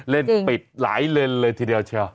เล่นปิดหลายเลนเลยทีเดียวเชียว